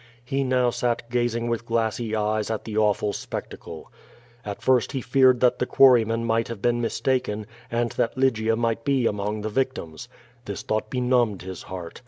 He now sat gazing with glassy eyes at the awful spectacle. At first he fean, <l that the quarryman might have been mistaken, and that Lygia might be among the victims. This thought benumbed his heart.